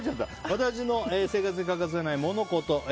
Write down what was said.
私の生活に欠かせないモノ・コト。